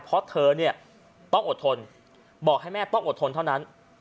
เพราะเธอเนี่ยต้องอดทนบอกให้แม่ต้องอดทนเท่านั้น